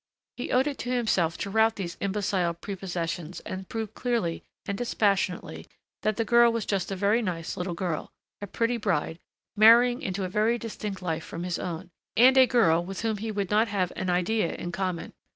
He owed it to himself to rout these imbecile prepossessions and prove clearly and dispassionately that the girl was just a very nice little girl, a pretty bride, marrying into a very distinct life from his own and a girl with whom he would not have an idea in common.